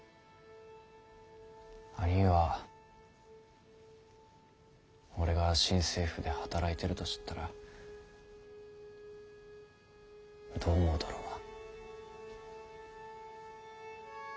あにぃは俺が新政府で働いてると知ったらどう思うだろうな。